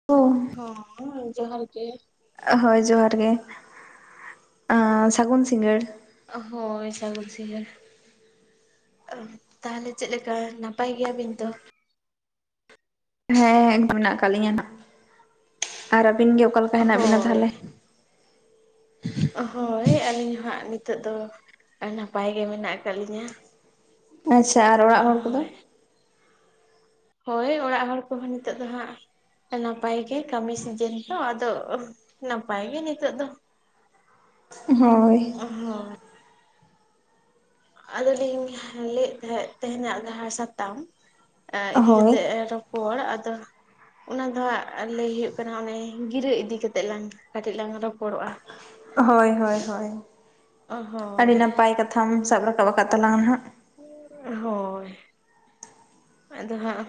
[unintelligible] ᱦᱳᱭ ᱡᱚᱦᱟᱨ ᱜᱮ᱾ ᱦᱳᱭ ᱡᱚᱦᱟᱨ ᱜᱮ ᱟ ᱥᱟᱹᱜᱩᱱ ᱥᱤᱸᱜᱟᱹᱲ᱾ ᱦᱳᱭ ᱥᱟᱹᱜᱩᱱ ᱥᱤᱸᱜᱟᱹ᱾ ᱚ ᱛᱟᱦᱚᱞᱮ ᱪᱮᱫ ᱞᱮᱠᱟ ᱱᱟᱯᱟᱭ ᱜᱮᱭᱟ ᱵᱤᱱ ᱛᱚ? ᱦᱮᱸ ᱮᱱᱠᱟ ᱢᱮᱱᱟᱜ ᱟᱠᱟᱫ ᱞᱤᱧᱟᱹ ᱱᱟᱦᱟᱸᱜ ᱟᱨ ᱟᱹᱵᱤᱱ ᱜᱮ ᱚᱠᱟᱞᱮᱠᱟ ᱦᱮᱱᱟᱜ ᱵᱤᱱᱟ ᱦᱳᱭ ᱛᱟᱦᱚᱞᱮ? ᱦᱳᱭ ᱟᱹᱞᱤᱧ ᱦᱚ ᱦᱟᱸᱜ ᱱᱤᱛᱚᱜ ᱫᱚ ᱱᱟᱯᱟᱭ ᱜᱮ ᱢᱮᱱᱟᱜ ᱟᱠᱟᱫ ᱞᱤᱧᱟᱹ᱾ ᱟᱪᱪᱷᱟ ᱟᱨ ᱚᱲᱟᱜ ᱦᱚᱲ ᱠᱚᱫᱚ? ᱦᱳᱭ ᱦᱳᱭ ᱚᱲᱟᱜ ᱦᱚᱲ ᱠᱚᱦᱚᱸ ᱱᱤᱛᱚᱜ ᱫᱚ ᱦᱟᱸᱜ ᱱᱟᱯᱟᱭ ᱜᱮ ᱠᱟᱹᱢᱤ ᱥᱤᱡᱮᱱ ᱛᱚ ᱟᱫᱚ ᱱᱟᱯᱟᱭ ᱜᱮ ᱱᱤᱛᱚᱜ ᱫᱚ᱾ ᱦᱳᱭ᱾ ᱦᱳᱭ᱾ ᱟᱫᱚᱞᱤᱧ ᱞᱟᱹᱭᱮᱫ ᱛᱟᱦᱮᱸᱫ ᱛᱮᱦᱮᱧᱟᱜ ᱡᱟᱦᱟᱸ ᱥᱟᱛᱟᱢ ᱮᱸ ᱦᱳᱭ ᱤᱫᱤᱠᱟᱛᱮᱜ ᱮᱸᱜ ᱨᱚᱯ ᱯᱚᱲ ᱟᱫᱚ ᱚᱱᱟ ᱫᱚ ᱦᱟᱸᱟᱜ ᱞᱟᱹᱭ ᱦᱩᱭᱩᱜ ᱠᱟᱱᱟ ᱚᱱᱮ ᱜᱤᱨᱟᱹ ᱤᱫᱤ ᱠᱟᱛᱮᱜ ᱞᱟᱝ ᱠᱟᱹᱴᱤᱡ ᱞᱟᱝ ᱨᱚᱯᱚᱲᱚᱜ-ᱟ᱾ ᱦᱳᱭ ᱦᱳᱭ ᱦᱳᱭ ᱟᱹᱰᱤ ᱦᱳᱭ ᱱᱟᱯᱟᱭ ᱠᱟᱛᱷᱟᱢ ᱥᱟᱵ ᱨᱟᱠᱟᱵ ᱟᱠᱟᱫ ᱛᱟᱞᱟᱝ ᱟ ᱦᱟᱸᱜ᱾ ᱦᱳᱭ᱾ ᱟᱫᱚ ᱦᱟᱸᱜ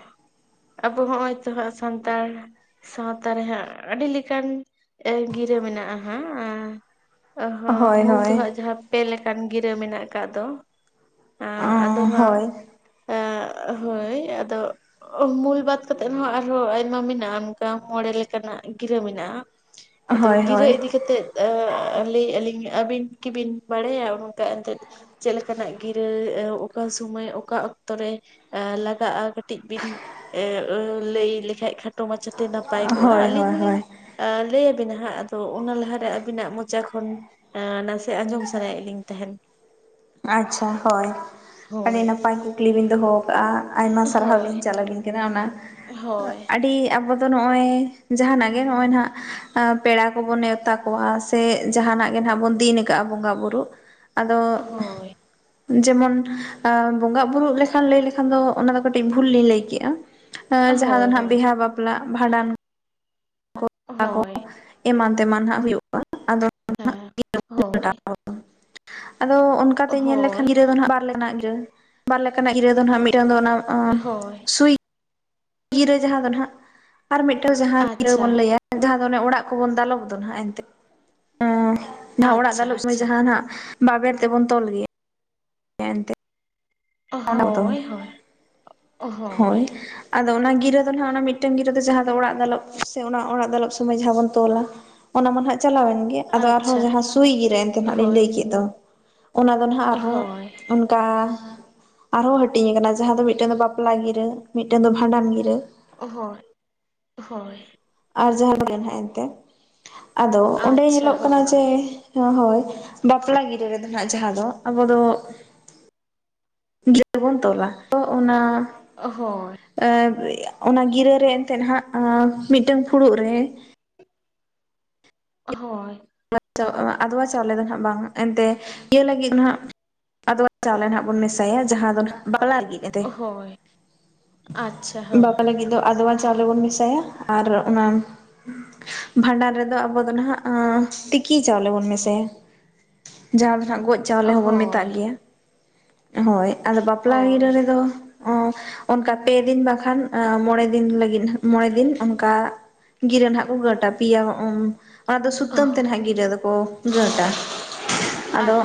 ᱟᱵᱚ ᱦᱚᱸᱜ-ᱚᱭ ᱛᱚ ᱦᱟᱸᱜ ᱥᱟᱱᱛᱟᱲ ᱥᱟᱶᱛᱟ ᱨᱮᱦᱟᱸᱜ ᱟᱹᱰᱤ ᱞᱮᱠᱟᱱ ᱮ ᱜᱤᱨᱟᱹ ᱢᱮᱱᱟᱜ-ᱟ ᱦᱟᱸᱜ ᱟᱻ ᱚ ᱦᱚᱸ ᱦᱳᱭ ᱢᱩᱞ ᱫᱚ ᱦᱳᱭ ᱦᱟᱸᱜ ᱡᱟᱦᱟᱸ ᱯᱮ ᱞᱮᱠᱟᱱ ᱜᱤᱨᱟᱹ ᱢᱮᱱᱟᱜ ᱟᱠᱟᱫ ᱫᱚ᱾ ᱟ ᱟᱫᱚ ᱦᱟᱸᱜ ᱦᱳᱭ ᱟ ᱦᱳᱭ ᱟᱫᱚ ᱢᱩᱞ ᱵᱟᱫ ᱠᱟᱛᱮᱜᱵ ᱦᱚ ᱟᱨᱦᱚᱸ ᱟᱭᱢᱟ ᱢᱮᱱᱟᱜ-ᱟ ᱚᱱᱠᱟ ᱢᱚᱬᱮ ᱞᱮᱠᱟᱱᱟᱜ ᱜᱤᱨᱟᱹ ᱢᱮᱱᱟᱜ-ᱟ᱾ ᱟᱫᱚ ᱦᱳᱭ ᱜᱤᱨᱟᱹ ᱦᱳᱭ ᱤᱫᱤ ᱠᱟᱛᱮᱫ ᱟᱻ ᱞᱟᱹᱭ ᱮᱜᱟᱹᱞᱤᱧ ᱟᱹᱵᱤᱱ ᱠᱤᱵᱤᱱ ᱵᱟᱲᱟᱭᱟ ᱚᱱᱠᱟ ᱮᱱᱛᱮᱫ ᱪᱮᱜ ᱞᱮᱠᱟᱱᱟᱜ ᱜᱤᱨᱟᱹ ᱚᱠᱟ ᱥᱚᱢᱚᱭ ᱚᱠᱟ ᱚᱠᱛᱚᱨ ᱨᱮ ᱮᱸ ᱞᱟᱜᱟᱜ-ᱟ ᱠᱟᱹᱴᱤᱡ ᱵᱤᱱ ᱞᱟᱹᱭ ᱞᱮᱠᱷᱟᱡ ᱠᱷᱟᱴ ᱴᱚ ᱢᱟᱪᱷᱟᱛᱮ ᱱᱟᱯᱟᱭ ᱠᱚᱜ-ᱟ ᱦᱳᱭ ᱟᱹᱞᱤᱧ ᱦᱳᱭ ᱦᱚᱞᱤᱧ ᱦᱳᱭ ᱟᱻ ᱞᱟᱹᱭᱟᱵᱤᱱ ᱦᱟᱸᱜ ᱟᱫᱚ ᱚᱱᱟ ᱞᱟᱦᱟᱨᱮ ᱟᱹᱵᱤᱱᱟᱜ ᱢᱚᱪᱟ ᱠᱷᱚᱱ ᱮᱸ ᱱᱟᱥᱮ ᱟᱸᱡᱚᱢ ᱥᱟᱱᱟᱭᱮᱫ ᱞᱤᱧ ᱛᱟᱦᱮᱱ᱾ ᱟᱪᱪᱷᱟ ᱦᱳᱭ ᱟᱹᱰᱤ ᱦᱳᱭ ᱱᱟᱯᱟᱭ ᱠᱩᱠᱞᱤ ᱵᱤᱱ ᱫᱚᱦᱚ ᱟ ᱟᱭᱢᱟ ᱥᱟᱨᱦᱟᱣ ᱦᱳᱭ ᱞᱤᱧ ᱪᱟᱞ ᱟᱵᱤᱱ ᱠᱟᱱᱟ ᱚᱱᱟ ᱦᱳᱭ ᱟᱹᱰᱤ ᱟᱵᱚ ᱫᱚ ᱱᱚᱜ-ᱚᱭ ᱡᱟᱦᱟᱱᱟᱜ ᱜᱮ ᱱᱚᱜ-ᱚᱭ ᱱᱟᱦᱟᱸᱜ ᱯᱮᱲᱟ ᱠᱚᱵᱚᱱ ᱱᱮᱶᱛᱟ ᱠᱚᱣᱟ ᱥᱮ ᱡᱟᱦᱟᱱᱟᱜ ᱜᱮ ᱱᱟᱦᱟᱜ ᱵᱚᱱ ᱫᱤᱱ ᱟᱠᱟᱜ-ᱟ ᱵᱚᱸᱜᱟ ᱵᱩᱩᱨ ᱟᱫᱚ ᱦᱳᱭ ᱡᱮᱢᱚᱱ ᱟ ᱵᱚᱸᱜᱟ-ᱟᱜ ᱵᱩᱨᱩᱜ ᱞᱮᱠᱷᱟᱱ ᱞᱟᱹᱭ ᱞᱮᱠᱷᱟᱱ ᱫᱚ ᱚᱱᱟᱫᱚ ᱠᱟᱹᱴᱤᱡ ᱵᱷᱩᱞ ᱞᱤᱧ ᱞᱟᱹᱭ ᱠᱮᱜ-ᱟ᱾ ᱮᱸ ᱡᱟᱦᱟᱸ ᱫᱚ ᱦᱳᱭ ᱱᱟᱦᱟᱸᱜ ᱦᱳᱭ ᱵᱤᱦᱟ ᱵᱟᱯᱞᱟᱜ, ᱵᱷᱟᱸᱰᱟᱱ ᱟᱠᱚ ᱦᱳᱭ ᱮᱢᱟᱱ ᱛᱮᱢᱟᱱ ᱦᱟᱸᱜ ᱦᱩᱭᱩᱜ-ᱟ ᱟᱫᱚ ᱦᱮᱸ ᱦᱳᱭ᱾ ᱟᱫᱚ ᱚᱱᱠᱟᱛᱮ ᱧᱮᱞ ᱦᱳᱭ ᱞᱮᱠᱷᱟᱱ ᱜᱤᱨᱟᱹ ᱫᱚ ᱱᱟᱦᱟᱸᱜ ᱵᱟᱨ ᱞᱮᱠᱟᱱᱟᱜ ᱜᱤᱨᱟᱹ᱾ ᱵᱟᱨ ᱞᱮᱠᱟᱱᱟᱜ ᱜᱤᱨᱟᱹ ᱫᱚ ᱱᱟᱦᱟᱸᱜ ᱢᱤᱫᱴᱟᱝ ᱫᱚ ᱚᱱᱟ ᱦᱳᱭ᱾ ᱥᱩᱭ ᱜᱤᱨᱟᱹ ᱡᱟᱦᱟᱸ ᱫᱚ ᱱᱟᱦᱟᱸᱜ ᱟᱨ ᱢᱤᱫᱴᱮᱱ ᱡᱟᱦᱟᱸ ᱜᱤᱨᱟᱹ ᱟᱪᱪᱷᱟ ᱵᱚᱱ ᱞᱟᱹᱭᱟ ᱡᱟᱦᱟᱸ ᱫᱚ ᱚᱱᱮ ᱚᱲᱟᱜ ᱠᱚᱵᱚᱱ ᱫᱟᱞᱚᱵ ᱫᱚ ᱱᱟᱦᱟᱸᱜ ᱮᱱᱛᱮ ᱦᱩᱸ᱾ ᱡᱟᱦᱟᱸ ᱚᱲᱟᱜ ᱟᱪᱪᱷᱟ ᱫᱟᱞᱚᱵ ᱥᱚᱢᱚᱭ ᱟᱪᱪᱷᱟ ᱡᱟᱦᱟᱸᱟ ᱱᱟᱦᱟᱸᱜ ᱵᱟᱵᱮᱨ ᱛᱮᱵᱚᱱ ᱛᱚᱞ ᱜᱮᱭᱟ ᱮᱱᱛᱮ᱾ ᱚᱸᱰᱮ ᱜᱳᱛᱳᱭ ᱦᱳᱭ᱾ ᱟᱫᱚ ᱚᱱᱟ ᱜᱤᱨᱟᱹ ᱫᱚ ᱱᱟᱜ ᱚᱱᱟ ᱢᱤᱫᱴᱮᱱ ᱜᱤᱨᱟᱹ ᱫᱚ ᱡᱟᱦᱟᱸ ᱫᱚ ᱚᱲᱟᱜ ᱫᱟᱞᱚᱵ ᱥᱮ ᱚᱱᱟ ᱚᱲᱟᱜ ᱫᱟᱞᱚᱵ ᱥᱚᱢᱚᱭ ᱡᱟᱦᱟᱸ ᱵᱚᱱ ᱛᱚᱞᱟ, ᱚᱱᱟ ᱢᱟ ᱪᱟᱞᱟᱣᱮᱱ ᱜᱮ, ᱟᱫᱚ ᱟᱨᱦᱚᱸ ᱡᱟᱦᱟᱸ ᱥᱩᱭ ᱜᱤᱨᱟᱹ ᱮᱱᱛᱮ ᱱᱟᱜ ᱞᱤᱧ ᱞᱟᱹᱭ ᱠᱮᱫ ᱫᱚ ᱚᱱᱟ ᱫᱚ ᱱᱟᱜ ᱟᱨᱦᱚᱸ ᱚᱱᱠᱟ ᱟᱨᱦᱚᱸ ᱦᱟᱹᱴᱤᱧ ᱟᱠᱟᱱᱟ ᱡᱟᱦᱟᱸ ᱢᱤᱫᱴᱮᱱ ᱫᱚ ᱵᱟᱯᱞᱟ ᱜᱤᱨᱟᱹ ᱢᱤᱫᱴᱮᱱ ᱫᱚ ᱵᱷᱟᱸᱰᱟᱱ ᱜᱤᱨᱟᱹ ᱾ ᱦᱳᱭ, ᱦᱳᱭ ᱾ ᱟᱨ ᱡᱟᱦᱟᱸ ᱨᱮᱜᱮ [inaudible] ᱮᱱᱛᱮᱫ ᱟᱫᱚ ᱚᱸᱰᱮ ᱧᱮᱞᱚᱜ ᱠᱟᱱᱟ ᱡᱮ ᱦᱳᱭ, ᱵᱟᱯᱞᱟ ᱜᱤᱨᱟᱹ ᱨᱮᱫᱚ ᱱᱟᱜ ᱡᱟᱦᱟᱸ ᱫᱚ ᱟᱵᱚ ᱫᱚ ᱜᱤᱨᱟᱹ ᱵᱚᱱ ᱛᱚᱞᱟ ᱛᱚ ᱚᱱᱟ ᱦᱳᱭ ᱾ ᱟᱨ ᱚᱱᱟ ᱜᱤᱨᱟᱹ ᱨᱮ ᱮᱱᱛᱮᱫ ᱦᱟᱸᱜ ᱢᱤᱫᱴᱟᱝ ᱯᱷᱩᱲᱩᱜ ᱨᱮ ᱦᱳᱭ ᱾ [inaudible] ᱟᱫᱣᱟ ᱪᱟᱣᱞᱮ ᱫᱚ ᱦᱟᱸᱜ ᱵᱟᱝ ᱮᱱᱛᱮᱜ ᱤᱭᱟᱹ ᱞᱟᱹᱜᱤᱫ ᱫᱚ ‌ᱱᱟᱜ ᱟᱫᱣᱟ ᱪᱟᱣᱞᱮ ᱱᱟᱜ ᱵᱚᱱ ᱢᱮᱥᱟᱭᱟ ᱡᱟᱦᱟᱸ ᱫᱚ ᱱᱟᱜ ᱵᱟᱯᱞᱟ ᱞᱟᱹᱜᱤᱫ ᱾ ᱮᱱᱛᱮ, ᱵᱟᱯᱞᱟ ᱞᱟᱹᱜᱤᱫ ᱫᱚ ᱟᱫᱣᱟ ᱪᱟᱣᱞᱮ ᱵᱚᱱ ᱡᱮ ᱥᱟᱭᱟ ᱟᱨ ᱚᱱᱟ ᱵᱷᱟᱸᱰᱟᱱ ᱨᱮᱫᱚ ᱟᱵᱚ ᱫᱚ ᱱᱟᱦᱟᱜ ᱟᱸᱻ ᱛᱤᱠᱤ ᱪᱟᱣᱞᱮ ᱵᱚᱱ ᱢᱮᱥᱟᱭᱟ ᱡᱟᱦᱟᱸ ᱫᱚ ᱱᱟᱜ ᱜᱚᱡ ᱪᱟᱣᱞᱮ ᱦᱚᱸᱵᱚᱱ ᱢᱮᱛᱟᱜ ᱜᱮᱭᱟ ᱾ ᱦᱳᱭ, ᱟᱫᱚ ᱵᱟᱯᱞᱟ ᱜᱤᱦᱟᱹ ᱨᱮᱫᱚ ᱚᱸ ᱚᱱᱠᱟ ᱯᱮ ᱫᱤᱱ ᱵᱟᱝᱠᱷᱟᱱ ᱢᱚᱬᱮ ᱫᱤᱱ ᱞᱟᱹᱜᱤᱫ ᱢᱚᱬᱮ ᱫᱤᱱ ᱚᱱᱠᱟ ᱜᱤᱨᱟᱹ ᱱᱟᱦᱟᱜ ᱠᱚ ᱜᱟᱹᱴᱟ ᱾ ᱯᱮᱭᱟ ᱚᱸ ᱚᱱᱟ ᱫᱚ ᱥᱩᱛᱟᱹᱢ ᱛᱮ ᱱᱟᱦᱟᱜ ᱜᱤᱨᱟᱹ ᱫᱚᱠᱚ ᱜᱟᱹᱴᱟ ᱾ ᱟᱫᱚ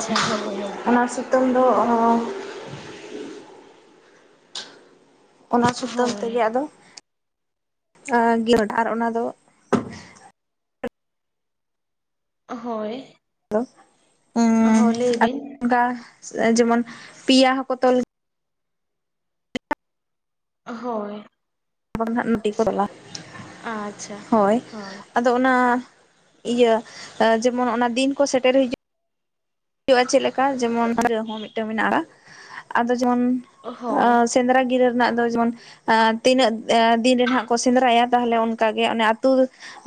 ᱚᱱᱟ ᱥᱩᱛᱟᱹᱢ ᱫᱚ [inaudible] ᱚᱱᱟ ᱥᱩᱛᱟᱹᱢ ᱛᱮᱜᱮ ᱟᱫᱚ ᱟᱸ [inaudible] ᱟᱨ ᱚᱱᱟ ᱫᱚ ᱦᱳᱭ ᱾ ᱦᱮᱞᱳ! ᱦᱚᱸ ᱞᱟᱹᱭᱵᱤᱱ ᱾ ᱚᱱᱠᱟ ᱡᱮᱢᱚᱱ ᱯᱤᱭᱟ ᱦᱚᱸᱠᱚ ᱛᱚᱞ ᱦᱳᱭ ᱾ [unintelligible] ᱟᱪᱪᱷᱟ, ᱦᱳᱭ ᱾ ᱟᱫᱚ ᱚᱱᱟ ᱤᱭᱟᱹ ᱡᱮᱢᱚᱱ ᱚᱱᱟ ᱫᱤᱱ ᱠᱚ ᱥᱮᱴᱮᱨ ᱦᱤᱡᱩᱜ ᱦᱩᱭᱩᱜᱼᱟ ᱪᱮᱫ ᱞᱮᱠᱟ ᱡᱮᱢᱚᱱ [unintelligible] ᱢᱤᱫᱴᱮᱱ ᱢᱮᱱᱟᱜᱼᱟ ᱟᱫᱚ ᱡᱮᱢᱚᱱ ᱟ ᱥᱮᱸᱫᱽᱨᱟ ᱜᱤᱨᱟᱹ ᱨᱮᱱᱟᱜ ᱫᱚ ᱡᱮᱢᱚᱱ ᱟᱸ ᱛᱤᱱᱟᱹᱜ ᱫᱤᱱ ᱨᱮ ᱦᱟᱜ ᱠᱚ ᱥᱮᱸᱫᱽᱨᱟᱭᱟ ᱛᱟᱦᱞᱮ ᱚᱱᱠᱟᱜᱮ ᱚᱱᱮ ᱟᱹᱛᱩ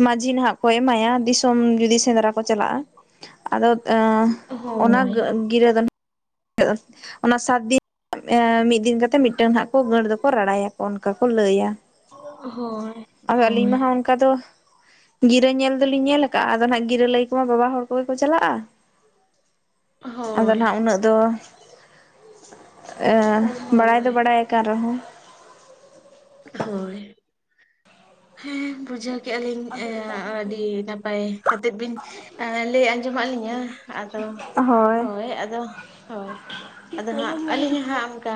ᱢᱟᱺᱡᱷᱤ ᱱᱟᱦᱟᱜ ᱠᱚ ᱮᱢᱟᱭᱟ ᱫᱤᱥᱚᱢ ᱡᱩᱫᱤ ᱥᱮᱸᱫᱽᱨᱟ ᱠᱚ ᱪᱟᱞᱟᱜᱼᱟ, ᱟᱫᱚ [inaudible] ᱚᱱᱟ ᱟᱜᱟᱹ ᱜᱤᱨᱟᱹ ᱫᱚ [inaudible] ᱚᱱᱟ ᱥᱟᱛ ᱫᱤᱱ ᱢᱤᱫ ᱫᱤᱱ ᱠᱟᱛᱮᱫ ᱢᱤᱫᱴᱟᱝ ᱦᱟᱸᱜ ᱠᱚ ᱜᱟᱹᱴ ᱫᱚᱠᱚ ᱨᱟᱲᱟᱭᱟ ᱠᱚ ᱚᱱᱠᱟ ᱠᱚ ᱞᱟᱹᱭᱟ ᱾ ᱟᱫᱚ ᱟᱹᱞᱤᱧ ᱢᱟ ᱚᱱᱠᱟ ᱫᱚ ᱜᱤᱨᱟᱹ ᱧᱮᱞ ᱫᱚᱞᱤᱧ ᱧᱮᱞ ᱟᱠᱟᱜᱼᱟ ᱟᱫᱚ ᱦᱟᱜ ᱜᱤᱨᱟᱹ ᱞᱟᱹᱭ ᱠᱚᱢᱟ ᱵᱟᱵᱟ ᱦᱚᱲ ᱠᱚᱜᱮ ᱠᱚ ᱪᱟᱞᱟᱜᱼᱟ᱾ ᱟᱫᱚ ᱱᱟᱦᱟᱜ ᱩᱱᱟᱹᱜ ᱫᱚ ᱮᱻ ᱵᱟᱲᱟᱭ ᱫᱚ ᱵᱟᱲᱟᱭ ᱠᱟᱱ ᱨᱮᱦᱚᱸ ᱦᱳᱭ, ᱦᱮᱸ ᱵᱩᱡᱟᱹᱣ ᱠᱮᱜᱼᱟ ᱞᱤᱧ ᱮᱻ ᱟᱹᱰᱤ ᱱᱟᱯᱟᱭ ᱠᱟᱛᱮᱫ ᱵᱤᱱ ᱮ ᱞᱟᱹᱭ ᱟᱸᱡᱚᱢ ᱟᱫ ᱞᱤᱧᱟᱹ ᱾ ᱟᱫᱚ ᱦᱳᱭ ᱟᱫᱚ ᱦᱳᱭ ᱾ ᱟᱫᱚ ᱦᱟᱸᱜ ᱟᱹᱞᱤᱧ ᱦᱚᱸ ᱦᱟᱸᱜ ᱚᱱᱠᱟ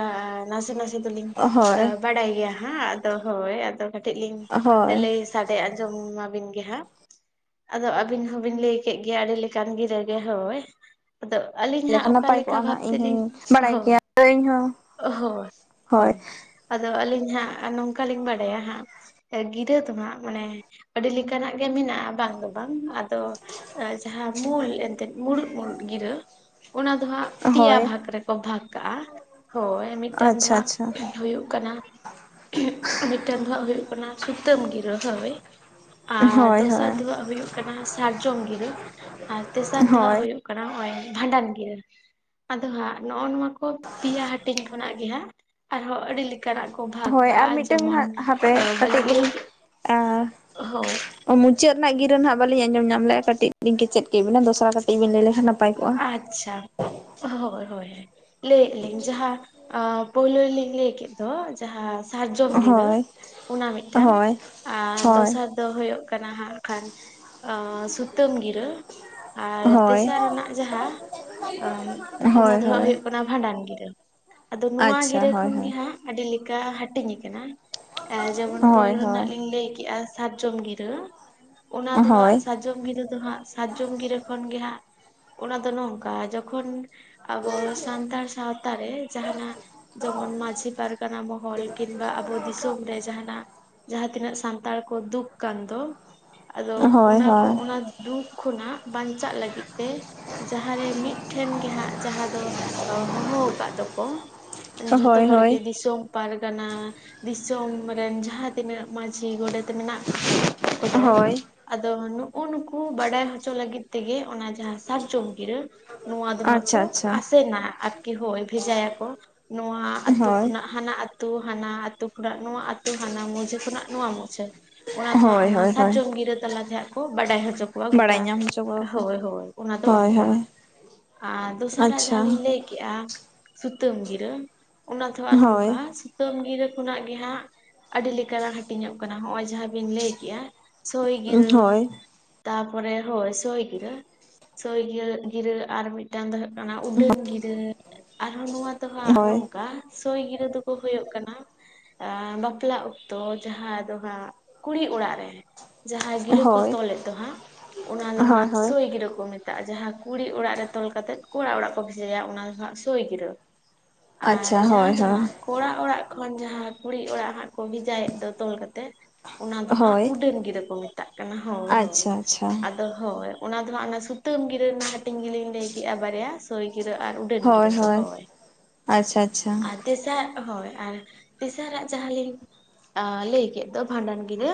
ᱱᱟᱥᱮ ᱱᱟᱥᱮ ᱫᱚᱞᱤᱧ ᱟ ᱦᱳᱭ ᱵᱟᱰᱟᱭ ᱜᱮᱭᱟ ᱦᱟᱸᱜ ᱾ ᱟᱫᱚ ᱦᱳᱭ ᱟᱫᱚ ᱠᱟᱹᱴᱤᱡ ᱞᱤᱧ ᱦᱳᱭ ᱞᱟᱹᱭ ᱥᱟᱰᱮ ᱟᱸᱡᱚᱢᱟᱵᱤᱱ ᱜᱮ ᱦᱟᱸᱜ ᱾ ᱟᱫᱚ ᱟᱹᱵᱤᱱ ᱦᱚᱸᱵᱤᱱ ᱞᱟᱹᱭ ᱠᱮᱫ ᱜᱮᱭᱟ ᱟᱹᱰᱤ ᱞᱮᱠᱟᱱ ᱜᱤᱨᱟᱹᱜᱮ ᱦᱳᱭ᱾ ᱟᱫᱚ ᱟᱹᱞᱤᱧ ᱦᱟᱸᱟᱜ ᱞᱮᱠᱷᱟᱱ ᱚᱠᱟ ᱱᱟᱯᱟᱭ ᱞᱮᱠᱟ ᱠᱚᱜᱼᱟ ᱵᱷᱟᱵ ᱱᱟᱜ ᱤᱧ ᱛᱮᱞᱤᱧ ᱦᱚᱧ ᱵᱟᱲᱟᱭ ᱦᱳᱭ ᱜᱮᱭᱟ ᱤᱧᱦᱚᱸ ᱦᱳᱭ᱾ ᱦᱳᱭ᱾ ᱟᱫᱚ ᱟᱹᱞᱤᱧ ᱦᱟᱸᱜ ᱱᱚᱝᱠᱟᱞᱤᱧ ᱵᱟᱰᱟᱭᱟ ᱦᱟᱸᱜ ᱮ ᱜᱤᱨᱟᱹ ᱫᱚ ᱱᱟᱦᱜ ᱢᱟᱱᱮ ᱟᱹᱰᱤ ᱞᱮᱠᱟᱱᱟᱜ ᱜᱮ ᱢᱮᱱᱟᱜᱼᱟ ᱵᱟᱝ ᱫᱚ ᱵᱟᱝ᱾ ᱟᱫᱚ ᱮ ᱡᱟᱦᱟᱸ ᱢᱩᱞ ᱮᱱᱛᱮᱫ ᱢᱩᱲᱩᱫ ᱢᱩᱲᱩᱫ ᱜᱤᱨᱟᱹ᱾ ᱚᱱᱟ ᱫᱚ ᱦᱟᱸᱜ ᱯᱮᱭᱟ ᱦᱳᱭ ᱵᱷᱟᱜᱽ ᱨᱮᱠᱚ ᱵᱷᱟᱜᱽ ᱠᱟᱜᱼᱟ᱾ ᱦᱳᱭ ᱢᱤᱫᱴᱟᱝ ᱫᱚ ᱟᱪᱪᱷᱟ ᱟᱪᱪᱷᱟ ᱦᱟᱸᱜ ᱦᱩᱭᱩᱜ ᱠᱟᱱᱟ ᱢᱤᱫᱴᱟᱱ ᱫᱚ ᱦᱟᱸᱜ ᱦᱩᱭᱩᱜ ᱠᱟᱱᱟ ᱥᱩᱛᱟᱹᱢ ᱜᱤᱨᱟᱹ ᱦᱳᱭ᱾ ᱟᱨ ᱦᱳᱭ ᱫᱚᱥᱟᱨ ᱦᱳᱭ ᱫᱚ ᱦᱟᱜ ᱦᱩᱭᱩᱜ ᱠᱟᱱᱟ ᱥᱟᱨᱡᱚᱢ ᱜᱤᱨᱟᱹ ᱟᱨ ᱛᱮᱥᱟᱨ ᱫᱚ ᱦᱟᱸᱜ ᱦᱳᱭ ᱦᱩᱭᱩᱜ ᱠᱟᱱᱟ ᱠᱟᱱᱟ ᱦᱚᱸᱜ-ᱚᱭ ᱵᱷᱟᱰᱟᱱ ᱜᱤᱨᱟᱹ᱾ ᱟᱫᱚ ᱦᱟᱸᱜ ᱱᱚᱜᱼᱚ ᱱᱚᱣᱟ ᱠᱚ ᱯᱤᱭᱟ ᱦᱟᱹᱴᱤᱧ ᱠᱷᱚᱱᱟᱜ ᱜᱮ ᱦᱟᱸᱜ ᱟᱨᱦᱚᱸ ᱟᱹᱰᱤ ᱞᱮᱠᱟᱱᱟᱜ ᱠᱚ ᱦᱳᱭ ᱟᱨ ᱠᱟᱜ-ᱟ ᱢᱤᱫᱴᱟᱝ ᱡᱮᱢᱚᱱ ᱱᱟᱜ ᱦᱟᱯᱮ ᱚ ᱠᱟᱹᱴᱤᱡ ᱵᱟᱹᱞᱤᱧ ᱞᱟᱹᱭ ᱞᱤᱧ ᱠᱮᱫ ᱦᱳᱭ᱾ ᱚ ᱢᱩᱪᱟᱹᱫ ᱨᱮᱱᱟᱜ ᱜᱤᱨᱟᱹ ᱱᱟᱦᱟᱜ ᱵᱟᱞᱤᱧ ᱟᱸᱚᱢ ᱧᱟᱢ ᱞᱮᱜ-ᱟ ᱠᱟᱹᱴᱤᱡ ᱞᱤᱧ ᱠᱮᱪᱮᱫ ᱠᱮᱫ ᱵᱤᱱᱟ, ᱫᱚᱥᱨᱟ ᱠᱟᱹᱴᱤᱡ ᱵᱤᱱ ᱞᱟᱹᱭ ᱞᱮᱠᱷᱟᱱ ᱱᱟᱯ ᱟᱪᱪᱷᱟ, ᱦᱳᱭ ᱦᱳᱭ ᱞᱟᱹᱭᱮᱜ ᱞᱤᱧ ᱡᱟᱦᱟᱸ ᱚ ᱯᱚᱭᱞᱳ ᱨᱮᱞᱤᱧ ᱞᱟᱹᱭ ᱠᱮᱫ ᱫᱚ ᱡᱟᱦᱟᱸ ᱥᱟᱨᱡᱚᱢ ᱜᱤᱨᱟᱹ ᱦᱳᱭ ᱚᱱᱟ ᱢᱤᱫᱴᱟᱝ ᱦᱳᱭ ᱟᱨ ᱦᱳᱭ ᱫᱚᱥᱟᱨ ᱫᱚ ᱦᱩᱭᱩᱜ ᱠᱟᱱᱟ ᱦᱟᱸᱜ ᱠᱷᱟᱱ ᱚ ᱥᱩᱛᱟᱹᱢ ᱜᱤᱨᱟᱹ ᱟᱨ ᱦᱳᱭ ᱛᱮᱥᱟᱨ ᱨᱮᱱᱟᱜ ᱡᱟᱦᱟᱸ ᱦᱳᱭ ᱚᱱᱟ ᱫᱚ ᱦᱟᱸᱜ ᱦᱳᱭ ᱦᱳᱭᱳᱜ ᱠᱟᱱᱟ ᱵᱷᱟᱸᱰᱟᱱ ᱜᱤᱨᱟᱹ᱾ ᱟᱫᱚ ᱱᱚᱣᱟ ᱟᱪᱪᱷᱟ ᱜᱤᱨᱟᱹ ᱦᱳᱭ ᱠᱷᱚᱱ ᱜᱮ ᱦᱳᱭ ᱦᱟᱸᱜ ᱟᱹᱰᱤ ᱞᱮᱠᱟ ᱦᱟᱹᱴᱤᱧ ᱟᱠᱟᱱᱟ, ᱮ ᱡᱮᱢᱚᱱ ᱦᱳᱭ ᱯᱳᱭᱞᱳ ᱨᱮᱱᱟᱜ ᱦᱳᱭ ᱞᱤᱧ ᱞᱟᱹᱭ ᱠᱮᱜᱼᱟ ᱥᱟᱨᱡᱚᱢ ᱜᱤᱨᱟᱹ, ᱚᱱᱟ ᱫᱚ ᱦᱟᱸᱜ ᱦᱳᱭ ᱥᱟᱨᱡᱚᱢ ᱜᱤᱨᱟᱹ ᱫᱚ ᱦᱟᱸᱜ ᱥᱟᱨᱡᱚᱢ ᱜᱤᱨᱟᱹ ᱠᱷᱚᱱ ᱜᱮ ᱦᱟᱸᱜ ᱚᱱᱟ ᱫᱚ ᱱᱚᱝᱠᱟ ᱡᱚᱠᱷᱚᱱ ᱟᱵᱚ ᱥᱟᱱᱛᱟᱲ ᱥᱟᱶᱛᱟᱨᱮ ᱡᱟᱦᱟᱸᱱᱟᱜ ᱡᱮᱢᱚᱱ ᱢᱟᱺᱡᱷᱤ ᱯᱟᱨᱜᱟᱱᱟ ᱢᱚᱦᱚᱞ ᱠᱤᱱᱵᱟ ᱟᱵᱚ ᱫᱤᱥᱚᱢ ᱨᱮ ᱡᱟᱦᱟᱸᱱᱟᱜ ᱡᱟᱦᱟᱸ ᱛᱤᱱᱟᱹᱜ ᱥᱟᱱᱛᱟᱲ ᱠᱚ ᱫᱩᱠ ᱠᱟᱱ ᱫᱚ ᱟᱫᱚ ᱦᱳᱭ ᱚᱱᱟ ᱠᱚ ᱦᱳᱭ ᱚᱱᱟ ᱫᱩᱠᱷ ᱠᱷᱚᱱᱟᱜ ᱵᱟᱧᱪᱟᱜ ᱞᱟᱹᱜᱤᱫ ᱛᱮ ᱡᱟᱦᱟᱸ ᱨᱮ ᱢᱤᱫᱴᱷᱮᱱ ᱜᱮ ᱦᱟᱸᱜ ᱡᱟᱦᱟᱸ ᱫᱚ ᱦᱚᱦᱚᱣ ᱟᱠᱟᱫ ᱫᱚᱠᱚ ᱡᱷᱚᱛᱚ ᱦᱳᱭ ᱦᱚᱲ ᱜᱮ ᱦᱳᱭ ᱫᱤᱥᱚᱢ ᱯᱟᱨᱜᱟᱱᱟ, ᱫᱤᱥᱚᱢ ᱨᱮᱱ ᱡᱟᱦᱟᱸ ᱛᱤᱱᱟᱹᱜ ᱢᱟᱹᱡᱷᱤ ᱜᱚᱰᱮᱛ ᱢᱮᱱᱟᱜ ᱟᱠᱚᱫᱚ, ᱦᱳᱭ ᱟᱫᱚ ᱱᱩᱜᱼᱩ ᱱᱩᱠᱩ ᱵᱟᱰᱟᱭ ᱦᱚᱪᱚ ᱞᱟᱹᱜᱤᱫ ᱛᱮᱜᱮ ᱚᱱᱟ ᱡᱟᱦᱟᱸ ᱥᱟᱨᱡᱚᱢ ᱜᱤᱨᱟᱹ ᱱᱚᱣᱟ ᱫᱚ ᱦᱟᱸᱜ ᱠᱚ ᱟᱪᱪᱷᱟ ᱟᱪᱪᱷᱟ ᱟᱥᱮᱱᱟ ᱟᱨᱠᱤ ᱦᱳᱭ ᱵᱷᱮᱡᱟᱭᱟᱠᱚ᱾ ᱱᱚᱣᱟ ᱟᱹᱛᱩ ᱦᱳᱭ ᱠᱷᱚᱱᱟᱜ ᱦᱟᱱᱟ ᱟᱛ ᱛᱩ ᱦᱟᱱᱟ ᱟᱛᱩ ᱠᱷᱚᱱᱟᱜ ᱱᱚᱣᱟ ᱟᱛᱩ, ᱦᱟᱱᱟ ᱢᱩᱦᱡᱷᱟᱹ ᱠᱷᱚᱱᱟᱜ ᱱᱚᱣᱟ ᱢᱩᱦᱡᱷᱟᱹ᱾ ᱚᱱᱟ ᱫᱚ ᱦᱟᱸᱜ ᱦᱳᱭ ᱚᱱᱟ ᱦᱳᱭ ᱦᱳᱭ ᱥᱟᱨᱡᱚᱢ ᱜᱤᱨᱟᱹ ᱛᱟᱞᱟᱛᱮ ᱦᱟᱸᱜ ᱠᱚ ᱵᱟᱰᱟᱭ ᱦᱚᱪᱚ ᱠᱚᱣᱟ ᱜᱚᱴᱟ ᱵᱟᱲᱟᱭ ᱧᱟᱢ ᱦᱚᱪᱚ ᱠᱚᱣᱟ ᱠᱚ ᱦᱳᱭ ᱦᱳᱭ᱾ ᱚᱱᱟ ᱫᱚ ᱦᱳᱭ ᱚᱱᱠᱟ ᱦᱳᱭ ᱟᱨ ᱫᱚᱥᱟᱨᱟᱜ ᱡᱟᱦᱟᱸ ᱞᱤᱧ ᱟᱪᱪᱷᱟ ᱞᱟᱹᱭ ᱞᱟᱹᱭ ᱠᱮᱜᱼᱟ ᱥᱩᱛᱟᱹᱢ ᱜᱤᱨᱟᱹ᱿ ᱚᱱᱟ ᱫᱚ ᱦᱟᱸᱜ ᱱᱚᱝᱠᱟ ᱦᱳᱭ ᱛᱟᱹᱢ ᱜᱤᱨᱟᱹ ᱠᱷᱚᱱᱟᱜ ᱜᱮ ᱦᱟᱸᱜ ᱟᱹᱰᱤ ᱞᱮᱠᱟᱱᱟᱜ ᱦᱟᱹᱴᱤᱧᱚᱜ ᱠᱟᱱᱟ ᱦᱚᱸᱜ-ᱚᱭ ᱡᱟᱦᱟᱸ ᱵᱤᱱ ᱞᱟᱹᱭ ᱠᱮᱜᱼᱟ ᱥᱚᱭ ᱜᱤᱨᱟᱹ ᱦᱳᱭ ᱛᱟᱯᱚᱨᱮ ᱦᱳᱭ ᱥᱚᱭ ᱜᱤᱨᱟᱹ᱾ ᱥᱳᱭ ᱜᱤᱨᱟᱹ ᱟᱨ ᱢᱤᱫᱴᱟᱝ ᱫᱚ ᱦᱩᱭᱩᱜ ᱠᱟᱱᱟ ᱩᱰᱟᱹᱱ ᱜᱤᱨᱟᱹ, ᱟᱨᱦᱚᱸ ᱱᱚᱣᱟ ᱛᱚ ᱦᱟᱸᱜ ᱦᱳᱭ ᱱᱚᱝᱠᱟ ᱥᱳᱭ ᱜᱤᱨᱟᱹ ᱫᱚᱠᱚ ᱦᱳᱭᱳᱜ ᱠᱟᱱᱟ ᱮᱸ ᱵᱟᱯᱞᱟ ᱚᱠᱛᱚ ᱡᱟᱦᱟᱸ ᱫᱚ ᱦᱟᱸᱜ ᱠᱩᱲᱤ ᱚᱲᱟᱜ ᱨᱮ᱾ ᱡᱟᱦᱟᱸ ᱜᱤᱨᱟᱹ ᱠᱚ ᱦᱳᱭ ᱛᱚᱞᱮᱫ ᱫᱚ ᱦᱟᱸᱜ ᱚᱱᱟ ᱫᱚ ᱦᱳᱭ ᱦᱟᱸᱜ ᱦᱳᱭ ᱥᱳᱭ ᱜᱤᱨᱟᱹ ᱠᱚ ᱢᱮᱛ ᱛᱟᱜᱼᱟ᱾ ᱡᱟᱦᱟᱸ ᱠᱩᱲᱤ ᱚᱲᱟᱜ ᱨᱮ ᱛᱚᱞ ᱠᱟᱛᱮᱫ ᱠᱚᱲᱟ ᱚᱲᱟᱜ ᱠᱚ ᱵᱷᱮᱡᱟᱭᱟ ᱚᱱᱟ ᱫᱚ ᱦᱟᱸᱜ ᱥᱳᱭ ᱜᱤᱨᱟᱹ᱾ ᱟᱨ ᱟᱪᱪᱷᱟ ᱡᱟᱦᱟᱸ ᱦᱳᱭ ᱫᱚ ᱦᱳᱭ᱾ ᱦᱟᱸᱜ ᱠᱚᱲᱟ ᱚᱲᱟᱜ ᱠᱷᱚᱱ ᱡᱟᱦᱟᱸᱭ ᱠᱩᱲᱤ ᱚᱲᱟᱜ ᱦᱟᱸᱜ ᱠᱚ ᱵᱷᱮᱡᱟᱭᱮᱫ ᱫᱚ ᱛᱚᱞ ᱠᱟᱛᱮ᱾ ᱚᱱᱟ ᱫᱚ ᱦᱟᱸᱜ ᱦᱳᱭ ᱩᱰᱟᱹᱱ ᱜᱤᱨᱟᱹ ᱠᱚ ᱢᱮᱛᱟᱜ ᱠᱟᱱᱟ ᱦᱳᱭ ᱦᱚ ᱟᱪᱪᱷᱟ ᱟᱪᱪᱷᱟ ᱟᱫᱚ ᱦᱳᱭ ᱚᱱᱟ ᱫᱚ ᱦᱟᱸᱜ ᱚᱱᱟ ᱥᱩᱫ ᱛᱟᱹᱢ ᱜᱤᱨᱟᱹ ᱨᱮᱱᱟᱜ ᱦᱟᱹᱴᱤᱧ ᱜᱤᱞᱤᱧ ᱞᱟᱹᱭ ᱠᱮᱫ-ᱟ ᱵᱟᱨᱭᱟ ᱥᱳᱭ ᱜᱤᱨᱟᱹ ᱟᱨ ᱩᱰᱟᱹᱱ ᱜᱤᱨᱟᱹ ᱦᱳᱭ ᱫᱚ ᱦᱳᱭ ᱟᱪᱪᱷᱟ ᱟᱪᱪᱷᱟ ᱛᱮᱥᱟ ᱦᱳᱭ ᱟᱨ ᱛᱮᱥᱟᱨᱟᱜ ᱡᱟᱦᱟᱸ ᱞᱤᱧ ᱟ ᱞᱟᱹᱭ ᱠᱮᱫ ᱫᱚ ᱵᱷᱟᱸᱰᱟᱱ ᱜᱤᱨᱟᱹ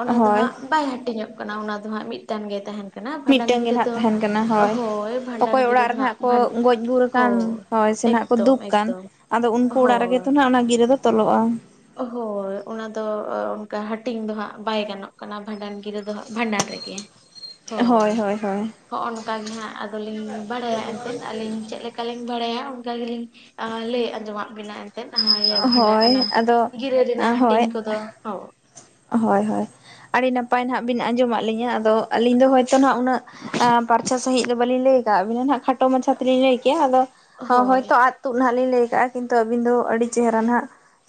ᱚᱱᱟ ᱫᱚ ᱦᱳᱭ ᱦᱟᱸᱜ ᱵᱟᱭ ᱦᱟᱹᱴᱤᱧᱚᱜ ᱠᱟᱱᱟ ᱚᱱᱟ ᱫᱚ ᱦᱟᱸᱜ ᱢᱤᱫᱴᱟᱝ ᱜᱮ ᱛᱟᱦᱮᱸᱱ ᱠᱟᱱᱟ ᱵᱷᱟᱸᱰᱟᱱ ᱜᱮ ᱛᱟᱦᱮᱸᱱ ᱠᱟᱱᱟ ᱦᱳᱭ ᱚᱠᱚᱭ ᱜᱤᱨᱟᱹ ᱚᱲᱟᱜ ᱨᱮ ᱫᱚ ᱦᱟᱸᱜ ᱱᱟᱦᱟᱜ ᱠᱚ ᱵᱷᱟᱱ ᱜᱚᱡ ᱜᱩᱨ ᱟᱠᱟᱱ ᱦᱳᱭ ᱥᱮ ᱱᱟᱦᱱᱟᱜ ᱠᱚ ᱮᱠᱫᱚᱢ ᱫᱩᱠ ᱠᱟᱱ ᱮᱠᱫᱚᱢ ᱟᱫᱚ ᱩᱱᱠᱩ ᱚᱲᱟᱜ ᱦᱳᱭ ᱨᱮᱜᱮᱛᱚ ᱱᱟᱜ ᱚᱱᱟ ᱜᱤᱨᱟᱹ ᱫᱚ ᱛᱚᱞᱚᱜ-ᱟ᱾ ᱦᱳᱭ ᱚᱱᱟ ᱫᱚ ᱚᱱᱠᱟ ᱦᱟᱹᱴᱤᱧ ᱫᱚ ᱦᱟᱸᱜ ᱵᱟᱭ ᱜᱟᱱᱚᱜ ᱠᱟᱱᱟ ᱵᱷᱟᱸᱰᱟᱱ ᱜᱤᱨᱟᱹ ᱫᱚ ᱦᱟᱸᱜ ᱵᱷᱟᱸᱰᱟᱱ ᱨᱮᱜᱮ᱾ ᱦᱳᱭ ᱦᱚᱸᱜᱚᱱ ᱜᱮ ᱦᱟᱸᱜ ᱟᱫᱚᱞᱤᱧ ᱵᱟᱲᱟᱭᱟ ᱮᱱᱛᱮᱫ ᱟᱹᱞᱤᱧ ᱪᱮᱫ ᱞᱮᱠ ᱠᱟᱞᱤᱧ ᱵᱟᱲᱟᱭᱟ ᱚᱱᱠᱟ ᱜᱮᱞᱤᱧ ᱞᱟᱹᱭ ᱟᱸᱡᱚᱢᱟᱫ ᱵᱤᱱᱟ ᱮᱱᱛᱮᱫ ᱵᱷᱟᱰᱟᱜ ᱮᱱᱟ ᱟ ᱦᱳᱭ ᱦᱳᱭ ᱦᱳᱭ ᱟᱹᱰᱤ ᱱᱟᱯᱟᱭ ᱱᱟᱦᱟᱜ ᱵᱤᱱ ᱟᱸᱡᱚᱢᱟᱫ ᱞᱤᱧᱟᱹ ᱟᱫᱚ ᱟᱹᱞᱤᱧ ᱫᱚ ᱦᱚᱭᱛᱚ ᱱᱟᱦᱟᱜ ᱩᱱᱟᱹᱜ ᱟ ᱯᱟᱨᱪᱷᱟ ᱥᱟᱦᱤᱡ ᱫᱚ ᱵᱟᱹᱞᱤᱧ ᱞᱟᱹᱭ ᱠᱟᱜᱵᱤᱱᱟ ᱦᱟᱸᱜ ᱠᱷᱟᱴᱚ ᱢᱟᱪᱷᱟ ᱛᱮᱞᱤᱧ ᱞᱟᱹᱭ ᱠᱮᱜ-ᱟ ᱟᱫᱚ ᱚ ᱦᱚᱭᱛᱳ ᱟᱫ ᱛᱩᱫ ᱱᱟᱜ ᱞᱤᱧ ᱞᱟᱹᱭ ᱠᱟᱜ-ᱟ᱾ ᱠᱤᱱᱛᱩ ᱟᱹᱵᱤᱱ ᱫᱚ ᱟᱹᱰᱤ ᱪᱮᱦᱮᱨᱟ ᱦᱱᱟᱜ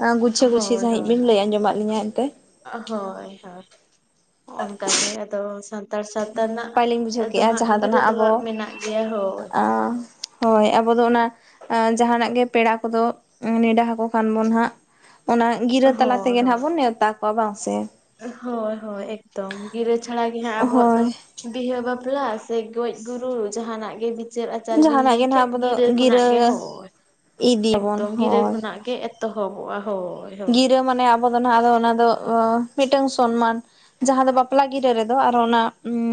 ᱟ ᱜᱩᱪᱷᱟᱹ ᱜᱩᱪᱷᱤ ᱦᱳᱭ ᱥᱟᱦᱤᱡ ᱦᱳᱭ ᱵᱮᱱ ᱞᱟᱹᱭ ᱟᱡᱸᱡᱚᱢᱫ ᱞᱤᱧᱟᱹ ᱮᱱᱛᱮ᱾ ᱦᱳᱭ ᱦᱚᱭ ᱚᱱᱠᱟ ᱜᱮ ᱟᱫᱚ ᱥᱟᱫ ᱥᱟᱱᱛᱟᱲ ᱥᱟᱶᱛᱟ ᱨᱮᱱᱟᱜ ᱱᱟᱯᱟᱭ ᱞᱤᱧ ᱵᱩᱡᱷᱟᱹᱣ ᱫᱚ ᱠᱮᱜᱼᱟ ᱦᱟᱸᱜ ᱡᱟᱦᱟᱸ ᱜᱤᱨᱟᱹ ᱱᱟᱦᱟᱜ ᱫᱚ ᱟᱵᱚ ᱦᱟᱸᱜ ᱢᱮᱱᱟᱜ ᱜᱮᱭᱟ ᱦᱳᱭ᱾ ᱦᱳᱭ ᱟᱵᱚ ᱫᱚ ᱚᱱᱟ ᱡᱟᱦᱟᱸ ᱱᱟᱜ ᱜᱮ ᱯᱮᱲᱟ ᱠᱚᱫᱚ ᱱᱮᱰᱟ ᱟᱠᱚ ᱠᱷᱟᱱ ᱵᱚᱱ ᱦᱟᱸᱜ ᱚᱱᱟ ᱜᱤᱨᱟᱹ ᱛᱟᱞᱟ ᱦᱳᱭ ᱛᱮᱜᱮ ᱱᱟᱦᱟᱸᱜ ᱦᱳᱭ ᱵᱚᱱ ᱱᱮᱣᱛᱟ ᱠᱚᱣᱟ ᱵᱟᱝ ᱥᱮ? ᱦᱳᱭ ᱦᱳᱭ ᱮᱠᱫᱚᱢ ᱜᱤᱨᱟᱹ ᱪᱷᱟᱲᱟ ᱜᱮ ᱦᱟᱸᱜ ᱟᱵᱚᱣᱟᱜ ᱫᱚ ᱦᱳᱭ ᱵᱤᱦᱟᱹ ᱵᱟᱯᱞᱟ ᱥᱮ ᱜᱚᱡ ᱜᱩᱨᱩ ᱡᱟᱦᱟᱱᱟᱜ ᱜᱮ ᱵᱤ ᱪᱟᱨ ᱟᱪᱟᱨ ᱵᱤᱱ ᱡᱟᱦᱟᱱᱟᱜ ᱞᱟᱹᱭ ᱜᱮ ᱠᱮᱫ ᱱᱟᱦᱟᱜ ᱟᱵᱚ ᱫᱚ ᱜᱤᱨᱟᱹ ᱠᱷᱚᱱᱟᱜ ᱜᱮ ᱜᱤᱨᱟᱹ ᱦᱳᱭ᱾ ᱤᱫᱤᱭᱟᱵᱚᱱ ᱮᱠᱫᱚᱢ ᱜᱤᱨᱟᱹ ᱦᱳᱭ ᱠᱷᱚᱱᱟᱜ ᱜᱮ ᱮᱫ ᱛᱚᱦᱚᱵ ᱦᱳᱭ ᱦᱳᱭ᱾ ᱜᱤᱨᱟᱹ ᱢᱟᱱᱮ ᱟᱵᱚ ᱫᱚ ᱱᱟᱦᱟᱜ ᱚᱱᱟ ᱫᱚ ᱢᱤᱫᱴᱟᱝ ᱥᱚᱱᱢᱟᱱ᱾ ᱡᱟᱦᱟᱸ ᱫᱚ ᱵᱟᱯᱞᱟ ᱜᱤᱨᱟᱹ ᱨᱮᱫᱚ ᱟᱨ ᱚᱱᱟ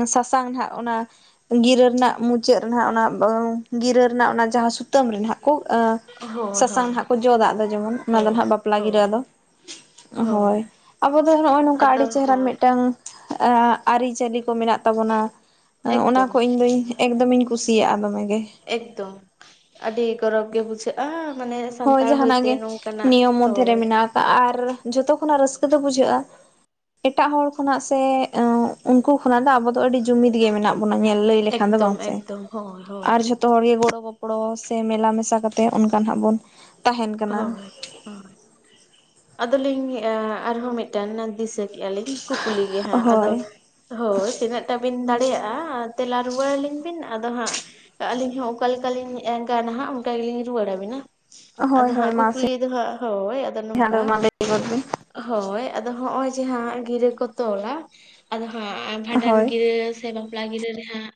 ᱥᱟᱥᱟᱝ ᱦᱟᱜ ᱚᱱᱟ ᱜᱤᱨᱟᱹ ᱨᱮᱱᱟᱜ ᱢᱩᱪᱟᱹᱫ ᱨᱮ ᱱᱟᱦᱟᱜ ᱚᱱᱟ ᱜᱤᱨᱟᱹ ᱨᱮᱱᱟᱜ ᱚᱱᱟ ᱡᱟᱦᱟᱸ ᱥᱩᱛᱟᱹᱢ ᱨᱮᱱᱟᱜ ᱠᱚ ᱦᱳᱭ ᱥᱟᱥᱟᱝ ᱦᱳᱭ ᱦᱟᱸᱜ ᱠᱚ ᱡᱚᱫ ᱫᱟᱜ ᱫᱚ ᱡᱮᱢᱚᱱ᱾ ᱚᱱᱟ ᱫᱚ ᱦᱳᱭ ᱦᱟᱜ ᱵᱟᱯ ᱦᱳᱭ ᱠᱤᱨᱟᱹ ᱟᱫᱚ ᱦᱳᱭ ᱟᱵᱚ ᱫᱚ ᱱᱚᱜᱚᱭ ᱱᱚᱝᱠᱟ ᱟᱫᱚ ᱟᱹᱰᱤ ᱪᱮᱦᱨᱟ ᱦᱳᱭ ᱢᱤᱫᱴᱮ ᱴᱟᱝ ᱟᱹᱨᱤ ᱪᱟᱹᱞᱤ ᱠᱚ ᱢᱮᱱᱟᱜ ᱛᱟᱵᱚᱱᱟ ᱚᱱᱟ ᱮᱠᱫᱚᱢ ᱠᱚ ᱤᱧᱫᱚᱧ ᱮᱠᱫᱚᱢᱮᱧ ᱠᱩᱥᱤᱭᱟᱜ-ᱟ ᱫᱚᱢᱮ ᱜᱮ᱾ ᱮᱠᱫᱚᱢ ᱟᱹᱰᱤ ᱜᱚᱨᱚ ᱜᱮ ᱵᱩᱡᱷᱟᱹᱜ ᱦᱟᱹ ᱢᱟᱱᱮ ᱦᱳᱭ ᱥᱟᱱᱛᱟᱲ ᱡᱟᱦᱟᱱᱟᱜ ᱦᱚᱭᱛᱮ ᱜᱮ ᱱᱚᱝᱠᱟᱱᱟᱜ ᱱᱤᱭᱚᱢ ᱢᱚᱫᱽᱫᱷᱮ ᱨᱮ ᱦᱳᱭ᱾ ᱢᱮᱱᱟᱜ ᱟᱨ ᱡᱚᱛᱚ ᱠᱷᱚᱱᱟᱜ ᱨᱟᱹᱥᱠᱟᱹ ᱫᱚ ᱵᱩᱡᱷᱟᱹᱜ-ᱟ᱾ ᱮᱴᱟᱜ ᱦᱚᱲ ᱠᱷᱚᱱᱟᱜ ᱥᱮ ᱩᱱᱠᱩ ᱠᱷᱚᱱᱟᱜ ᱫᱚ ᱟᱵᱚ ᱫᱚ ᱟᱹᱰᱤ ᱡᱩᱢᱤᱫ ᱜᱮ ᱢᱮᱱᱟᱜ ᱵᱚᱱᱟ ᱧᱮᱞ ᱞᱟᱹᱭ ᱞᱮᱠᱷᱟᱱ ᱫᱚ ᱮᱠᱫᱚᱢ ᱵᱟᱝ ᱥᱮ᱾ ᱮᱠᱫᱚᱢ ᱦᱳᱭ ᱦᱳᱭ ᱟᱨ ᱡᱷᱚᱛ ᱛᱚ ᱦᱚᱲ ᱜᱮ ᱜᱚᱲᱚ ᱜᱚᱯᱚᱲᱚ ᱥᱮ ᱢᱮᱞᱟ ᱢᱮᱥᱟ ᱠᱟᱛᱮ ᱚᱱᱠᱟ ᱟᱜ ᱵᱚᱱ ᱛᱟᱦᱮᱱ ᱠᱟᱱᱟ ᱦᱳᱭ ᱦᱳᱭ ᱟᱫᱚᱞᱤᱧ ᱮ ᱟᱨᱦᱚᱸ ᱢᱤᱫᱴᱟᱝ ᱫᱤᱥᱟᱹ᱾ ᱠᱮᱜ-ᱟ ᱞᱤᱧ ᱠᱩᱠᱞᱤ ᱜᱮ ᱦᱟᱸᱜ ᱟᱫᱚ ᱦᱳᱭ ᱦᱳᱭ ᱛᱤᱱᱟᱹᱜ ᱴᱟ ᱵᱤᱱ ᱫᱟᱲᱮᱭᱟᱜ-ᱟ ᱛᱮᱞᱟ ᱨᱩᱣᱟᱹᱲ ᱟᱹᱞᱤᱧ ᱵᱤᱱ ᱟᱫᱚ ᱦᱟᱸᱜ ᱟᱹᱞᱤᱧ ᱦᱚᱸ ᱚᱠᱟ ᱞᱮᱠᱟᱞᱤᱧ ᱜᱟᱱ ᱦᱟᱸᱜ ᱚᱱᱠᱟ ᱜᱮᱞᱤᱧ ᱨᱩᱣᱟᱹᱲ ᱟᱵᱤᱱᱟ᱾ ᱦᱳᱭ ᱟᱫᱚ ᱦᱳᱭ ᱦᱟᱸᱜ ᱢᱟᱥᱮ ᱠᱩᱠᱞᱤ ᱫᱚ ᱦᱟᱸᱜ ᱦᱳᱭ ᱟᱫᱚ ᱱᱚᱝᱠᱟ᱾ ᱢᱟ ᱞᱟᱹᱭ ᱜᱚᱫ ᱵᱤᱱ ᱦᱳᱭ ᱟᱫᱚ ᱦᱚᱜ ᱚᱭ ᱡᱟᱦᱟᱸ ᱜᱤᱨᱟᱹ ᱠᱚ ᱛᱚᱞᱟ ᱟᱫᱚ ᱦᱟᱸᱜ ᱵᱷᱟᱸᱰᱟᱱ ᱦᱳᱭ ᱜᱤᱨᱟᱹ ᱥᱮ ᱵᱟᱯᱞᱟ ᱜᱤᱨᱟᱹ ᱨᱮ ᱦᱟᱸᱜ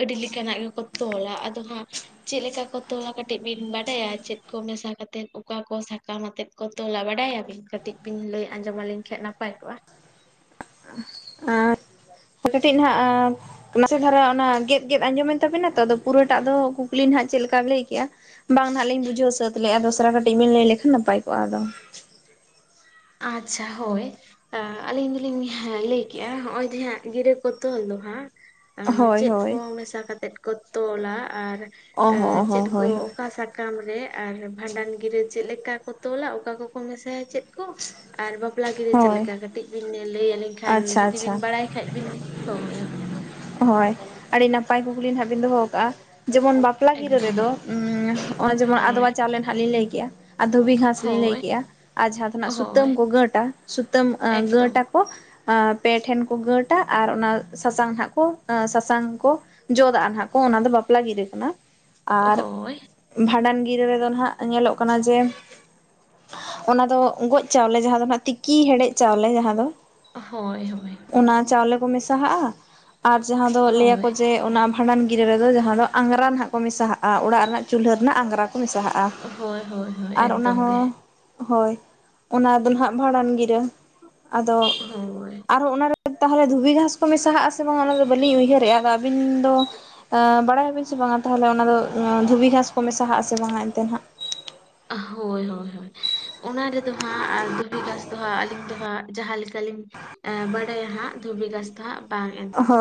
ᱟᱹᱰᱤ ᱞᱮᱠᱟᱱᱟᱜ ᱜᱮᱠᱚ ᱛᱚᱞᱟ᱾ ᱟᱫᱚ ᱦᱟᱸᱜ ᱪᱮᱫ ᱞᱮᱠᱟ ᱠᱚ ᱛᱚᱞᱟ ᱠᱟᱹᱴᱤᱡ ᱵᱤᱱ ᱵᱟᱰᱟᱭᱟ ᱪᱮᱫ ᱠᱚ ᱢᱮᱥᱟ ᱠᱟᱛ ᱛᱮᱫ ᱚᱠᱟ ᱠᱚ ᱥᱟᱠᱟᱢ ᱟᱛᱮᱫ ᱠᱚ ᱛᱚᱞᱟ ᱵᱟᱰᱟᱭ ᱟᱵᱤᱱ᱾ ᱠᱟᱹᱴᱤᱡ ᱵᱤᱱ ᱞᱟᱹᱭ ᱟᱸᱡᱚᱢ ᱟᱹᱞᱤᱧ ᱠᱷᱟᱱ ᱱᱟᱯᱟᱭ ᱠᱚᱜ-ᱟ᱾ ᱟᱨ ᱠᱟᱹᱴᱤᱡ ᱱᱟᱜ ᱟᱨ, ᱱᱟᱥᱮ ᱫᱷᱟᱨᱟ ᱚᱱᱟ ᱜᱮᱫ ᱜᱮᱫ ᱟᱸᱡᱚᱢ ᱮᱱ ᱛᱟᱵᱮᱱᱟ ᱛᱚ, ᱟᱫᱚ ᱯᱩᱨᱟᱹᱴᱟᱜ ᱫᱚ ᱠᱩᱠᱞᱤ ᱱᱟᱦᱟᱜ ᱪᱮᱫ ᱞᱮᱠᱟ ᱞᱟᱹᱭ ᱠᱮᱜ-ᱟ᱾ ᱵᱟᱝ ᱦᱟᱸᱜ ᱞᱤᱧ ᱵᱩᱡᱷᱟᱹᱣ ᱥᱟᱹᱛ ᱞᱮᱼᱟ ᱫᱚᱥᱨᱟ ᱠᱟᱹᱴᱤᱡ ᱵᱤᱱ ᱞᱟᱹᱭ ᱞᱮᱠᱷᱟᱱ ᱱᱟᱯᱟᱭ ᱠᱚᱜ-ᱟ ᱟᱫᱚ᱾ ᱟᱪᱪᱷᱟ ᱦᱳᱭ᱾ ᱟᱹᱞᱤᱧ ᱫᱚᱞᱤᱧ ᱞᱟᱹᱭ ᱠᱮᱜ-ᱟ ᱦᱚᱜᱼᱚᱭ ᱡᱮ ᱦᱟᱸᱜ ᱜᱤᱨᱟᱹ ᱠᱚ ᱛᱚᱞ ᱫᱚ ᱦᱟᱸᱜ ᱦᱳᱭ ᱪᱮᱫ ᱠᱚ ᱦᱳᱭ ᱢᱮᱥᱟ ᱠᱟᱛᱮᱜ ᱠᱚ ᱛᱚᱞᱟ ᱟᱨ ᱚ ᱦᱚᱸ ᱪᱮᱫ ᱦᱚᱸ ᱠᱚ ᱦᱳᱭ ᱦᱳᱭ ᱚᱠᱟ ᱥᱟ ᱠᱟᱢ ᱨᱮ᱾ ᱟᱨ ᱵᱷᱟᱸᱰᱟᱱ ᱜᱤᱨᱟᱹ ᱪᱮᱫ ᱞᱮᱠᱟ ᱠᱚ ᱛᱚᱞᱟ ᱚᱠᱟ ᱠᱚᱠᱚ ᱢᱮᱥᱟᱭᱟ ᱪᱮᱫ ᱠᱚ᱾ ᱟᱨ ᱵᱟᱯᱞᱟ ᱜᱤᱨᱟᱹ ᱪᱮᱫ ᱦᱳᱭ ᱞᱮᱠᱟ ᱠᱟᱹᱴᱤᱡ ᱵᱤᱱ ᱞᱟᱹᱭ ᱟᱹᱞᱤᱧ ᱠᱷᱟᱱ ᱟᱪᱪᱷᱟ ᱡᱩᱫᱤ ᱵᱤᱱ ᱟᱪᱪᱷᱟ ᱵᱟᱲᱟᱭ ᱠᱷᱟᱱᱡ ᱵᱤᱱ᱾ ᱦᱳᱭ ᱦᱳᱭ᱾ ᱦᱳᱭ ᱟᱹᱰᱤ ᱱᱟᱯᱟᱭ ᱠᱩᱠᱞᱤ ᱱᱟᱦᱟᱜ ᱵᱤᱱ ᱫᱚᱦᱚ ᱟᱠᱟᱜᱼᱟ᱾ ᱡᱮᱢᱚᱱ ᱵᱟ ᱯᱮᱞᱟ ᱜᱤᱨᱟᱹ ᱮᱠᱫᱚᱢ ᱨᱮᱫᱚ ᱚᱱᱮ ᱡᱮᱢᱚᱱ ᱦᱳᱭ ᱟᱫᱣᱟ ᱪᱟᱣᱞᱮ ᱦᱟᱸᱜ ᱞᱤᱧ ᱞᱟᱹᱭ ᱠᱮᱜ-ᱟ᱾ ᱟᱨ ᱫᱷᱩᱵᱤ ᱜᱷᱟᱥ ᱞᱤᱧ ᱞᱟᱹᱭ ᱦᱳᱭ ᱠᱮᱜ-ᱟ, ᱟᱨ ᱡᱟᱦᱟᱸ ᱫᱚ ᱱᱟᱜ ᱦᱳᱭ ᱥᱩᱛᱟᱹᱢ ᱠᱚ ᱜᱟᱹᱴᱟ ᱥᱩᱛᱟᱹᱢ ᱮᱠᱫᱚᱢ ᱜᱟᱹᱴᱟ ᱟᱠ ᱠᱚ᱾ ᱟᱨ ᱯᱮ ᱴᱷᱮᱱ ᱠᱚ ᱜᱟᱹᱴᱟ ᱟᱨ ᱚᱱᱟ ᱥᱟᱥᱟᱝ ᱦᱟᱸᱜ, ᱠᱚ ᱥᱟᱥᱟᱝ ᱠᱚ ᱡᱚᱫᱟᱜ-ᱟ ᱱᱟᱦᱟᱜ ᱠᱚ ᱚᱱᱟ ᱫᱚ ᱵᱟᱯᱞᱟ ᱜᱤᱨᱟᱹ ᱠᱟᱱᱟ᱾ ᱟᱨ ᱦᱳᱭ ᱵᱷᱟᱸᱰᱟᱱ ᱜᱤᱨᱟᱹ ᱨᱮᱫᱚ ᱱᱟᱦᱟᱜ ᱧᱮᱞᱚᱜ ᱠᱟᱱᱟ ᱡᱮ ᱚᱱᱟ ᱫᱚ ᱜᱚᱡ ᱪᱟᱣᱞᱮ ᱡᱟᱦᱟᱸ ᱫᱚ ᱦᱟᱸᱜ ᱛᱤᱠᱤ ᱦᱮᱰᱮᱡ ᱪᱟᱣᱞᱮ ᱡᱟᱦᱟᱸ ᱫᱚ, ᱦᱳᱭ ᱦᱳᱭ᱾ ᱚᱱᱟ ᱪᱟᱣᱞᱮ ᱠᱚ ᱢᱮᱥᱟ ᱦᱟᱜ-ᱟ ᱟᱨ ᱡᱟᱦᱟᱸ ᱫᱚ ᱞᱟᱹᱭ ᱟᱠᱚ ᱦᱳᱭ ᱡᱮ, ᱚᱱᱟ ᱵᱷᱟᱸᱰᱟᱱ ᱜᱤᱨᱟᱹ ᱨᱮᱫᱚ ᱡᱟᱦᱟᱸ ᱫᱚ ᱟᱝᱜᱽᱨᱟ ᱱᱟᱦᱟᱜ ᱠᱚ ᱢᱮᱥᱟ ᱦᱟᱜ-ᱟ ᱚᱲᱟᱜ ᱨᱮᱱᱟᱜ ᱪᱩᱞᱦᱟᱹ ᱨᱮᱱᱟᱜ ᱟᱝᱜᱽᱨᱟ ᱠᱚ ᱢᱮᱥᱟ ᱦᱟᱜ-ᱟ᱾ ᱟᱦ ᱦᱳᱭ ᱦᱳᱭ ᱦᱳᱭ ᱟᱨ ᱚᱱᱟ ᱮᱠᱫᱚᱢ ᱦᱚᱸ, ᱜᱮ ᱦᱳᱭ ᱚᱱᱟ ᱫᱚ ᱱᱟᱦᱟᱜ ᱵᱷᱟᱸᱰᱟᱱ ᱜᱤᱨᱟᱹ ᱟᱫᱚ, ᱦᱳᱭ᱾ ᱟᱨᱚᱸ ᱚᱱᱟᱨᱮ ᱛᱟᱦᱚᱞᱮ ᱫᱷᱩᱵᱤ ᱜᱷᱟᱸᱥ ᱠᱚ ᱢᱮᱥᱟ ᱦᱟᱜ-ᱟ ᱥᱮ ᱵᱟᱝᱟ ᱚᱱᱟᱫᱚ ᱵᱟᱹᱞᱤᱧ ᱩᱭᱦᱟᱹᱨᱮᱜ-ᱟ ᱟᱫᱚ ᱟᱹᱵᱤᱱ ᱫᱚ, ᱵᱟᱲᱟᱭ ᱟᱵᱤᱱ ᱥᱮ ᱵᱟᱝᱟ ᱛᱟᱦᱚᱞᱮ ᱚᱱᱟ ᱫᱚ ᱫᱷᱩᱵᱤ ᱜᱷᱟᱸᱥ ᱠᱚ ᱢᱮᱥᱟ ᱦᱟᱜ ᱟᱥᱮ ᱵᱟᱝᱟ ᱮᱱᱛ ᱱᱟᱦᱟᱜ ᱦᱳᱭ ᱦᱳᱭ ᱦᱳᱭ᱾ ᱚᱱᱟ ᱨᱮᱫᱚ ᱦᱟᱸᱜ ᱫᱷᱩᱵᱤ ᱜᱷᱟᱸᱥ ᱫᱚ ᱦᱟᱸᱜ ᱟᱹᱞᱤᱧ ᱫᱚ ᱦᱟᱸᱜ ᱡᱟᱦᱟᱸ ᱞᱮᱠᱟ ᱞᱤᱧ ᱮ ᱵᱟᱰᱟᱭᱟ ᱦᱟᱸᱜ ᱫᱷᱩᱵᱤ ᱜᱷᱟᱸᱥ ᱫᱚ ᱦᱟᱸᱜ ᱵᱟᱝ ᱮᱱ, ᱦᱳᱭ